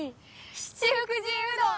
七福神うどん！